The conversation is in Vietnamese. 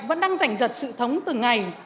vẫn đang giành giật sự thống từng ngày